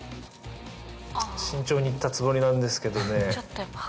慎重にいったつもりなんですけどね。